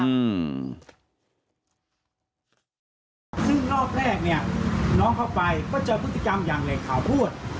แต่จังหวะที่พอไปถึงเนี่ยเขากลับเรียกเจ้าแคทเข้าไป